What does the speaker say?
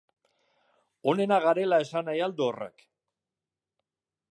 Onenak garela esan nahi al du horrek?